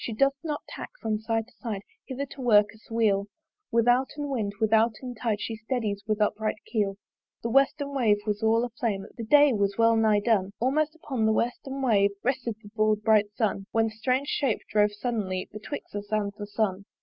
She doth not tack from side to side Hither to work us weal Withouten wind, withouten tide She steddies with upright keel. The western wave was all a flame, The day was well nigh done! Almost upon the western wave Rested the broad bright Sun; When that strange shape drove suddenly Betwixt us and the Sun.